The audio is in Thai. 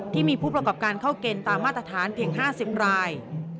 ที่มีผู้ประกอบการเข้าเกณฑ์ตามมาตรฐานเพียง๕๐ราย